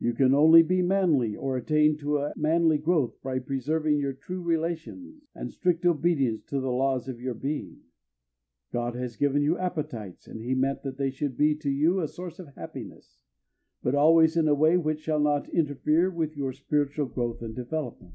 You can only be manly or attain to a manly growth by preserving your true relations and strict obedience to the laws of your being. God has given you appetites, and he meant that they should be to you a source of happiness, but always in a way which shall not interfere with your spiritual growth and development.